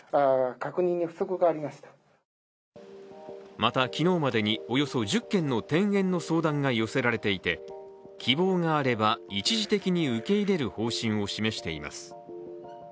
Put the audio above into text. また、昨日までにおよそ１０件の転園の相談が寄せられていて希望があれば一時的に受け入れる方針を示しています。